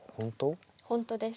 本当です。